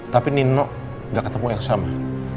tapi nino gak ketemu elsa ma